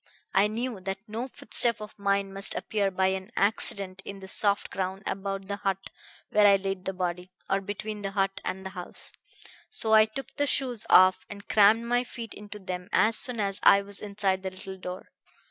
I knew that no footstep of mine must appear by any accident in the soft ground about the hut where I laid the body, or between the hut and the house, so I took the shoes off and crammed my feet into them as soon as I was inside the little door.